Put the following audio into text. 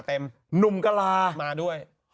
จังหรือเปล่าจังหรือเปล่า